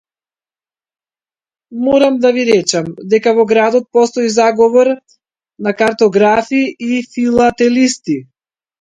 Морам да ви речам дека во градот постои заговор на картографи и филателисти.